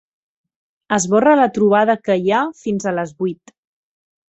Esborra la trobada que hi ha fins a les vuit.